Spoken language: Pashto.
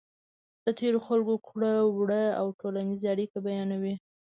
د تېرو خلکو کړو وړه او ټولنیزې اړیکې بیانوي.